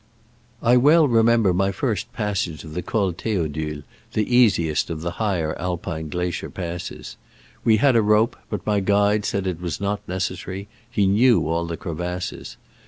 I well remember my first passage of the Col Theodule, the easiest of the higher Alpine glacier passes. We had a rope, but my guide said it was not necessary — he knew all the crevasses.